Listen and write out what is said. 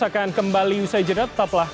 akan kembali usai jeda tetaplah